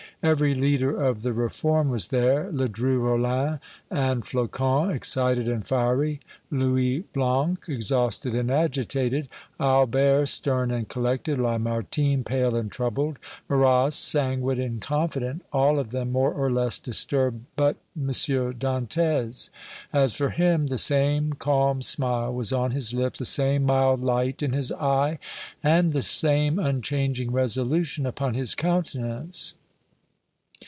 Every leader of the reform was there Ledru Rollin and Flocon excited and fiery, Louis Blanc exhausted and agitated, Albert stern and collected, Lamartine pale and troubled, Marrast sanguine and confident all of them more or less disturbed but M. Dantès. As for him, the same calm smile was on his lip, the same mild light in his eye and the same unchanging resolution upon his countenance.